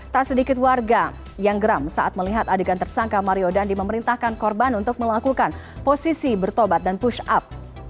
tak sedikit warga yang geram saat melihat adegan tersangka mario dandi memerintahkan korban untuk melakukan posisi bertobat dan push up